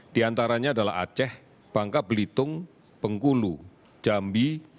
diantaranya adalah aceh bangka belitung bengkulu jambi